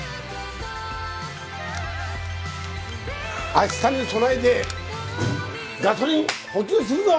明日に備えてガソリン補給するぞ！